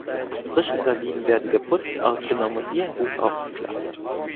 Frische Sardinen werden geputzt, ausgenommen und wie ein Buch aufgeklappt.